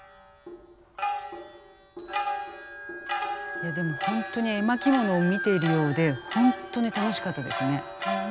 いやでもホントに絵巻物を見ているようでホントに楽しかったですね。